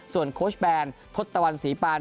ส่วนโค้ชแบนพรศตะวันสีปาล